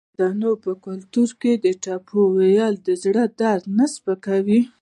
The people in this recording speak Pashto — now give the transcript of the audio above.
آیا د پښتنو په کلتور کې د ټپې ویل د زړه درد نه سپکوي؟